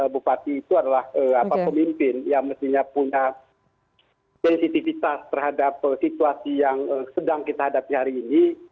bupati itu adalah pemimpin yang mestinya punya sensitivitas terhadap situasi yang sedang kita hadapi hari ini